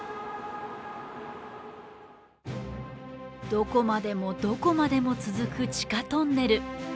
どこまでもどこまでも続く地下トンネル。